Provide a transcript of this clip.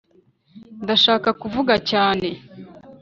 ndashaka kuvuga cyane,